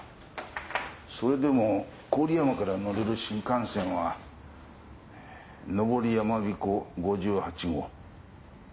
それでも郡山から乗れる新幹線は上りやまびこ５８号。